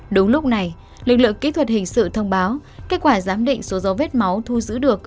đúng lúc này lực lượng kỹ thuật hình sự thông báo kết quả giám định số dấu vết máu thu giữ được